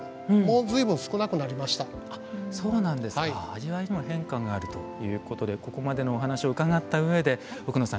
味わいにも変化があるということでここまでのお話を伺った上で奥野さん